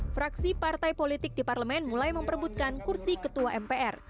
fraksi partai politik di parlemen mulai memperbutkan kursi ketua mpr